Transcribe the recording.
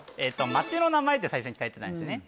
街の名前って最初に聞かれてたんですね